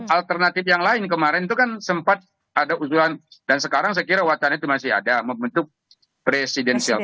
alternatif yang lain kemarin itu kan sempat ada usulan dan sekarang saya kira wacana itu masih ada membentuk presidensial